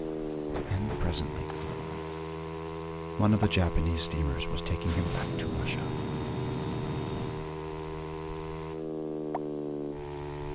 And, presently, one of the Japanese steamers was taking him back to Russia.